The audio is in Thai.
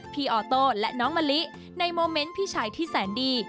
ออโต้และน้องมะลิในโมเมนต์พี่ชายที่แสนดี